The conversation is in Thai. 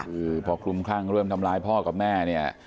คือพอคลุมคลั่งเริ่มทำร้ายพ่อกับแม่เนี่ย